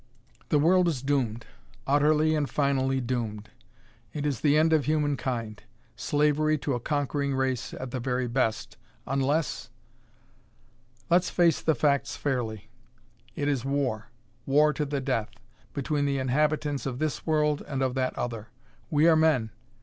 "The world is doomed utterly and finally doomed; it is the end of humankind; slavery to a conquering race at the very best, unless "Let us face the facts fairly. It is war war to the death between the inhabitants of this world and of that other. We are men.